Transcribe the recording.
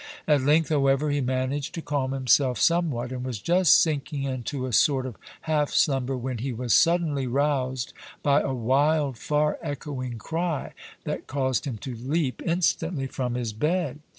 At length, however, he managed to calm himself somewhat and was just sinking into a sort of half slumber when he was suddenly roused by a wild, far echoing cry that caused him to leap instantly from his bed.